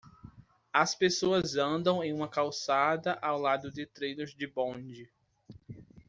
As pessoas andam em uma calçada ao lado de trilhos de bonde.